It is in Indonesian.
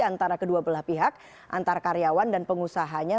antara kedua belah pihak antar karyawan dan pengusahanya